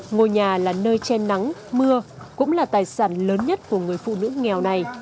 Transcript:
ngôi nhà là nơi chen nắng mưa cũng là tài sản lớn nhất của người phụ nữ nghèo này